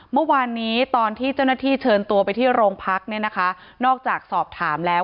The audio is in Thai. เมื่อวานี้ตอนที่เจ้านาที่เชิญตัวไปที่โรงพรรคนอกจากสอบถามแล้ว